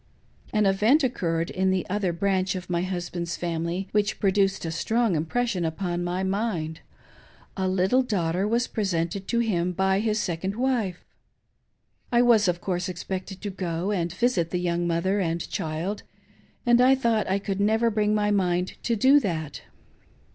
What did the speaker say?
An event occurred in the other branch of my husband's family which produced a strong im pression upon my mind — a little daughter was presented to him by his second wife. I was, of course, expected to go and visit the young mother and child, and I thought I could never bring my mind to do that.